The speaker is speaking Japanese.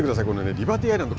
リバティアイランド。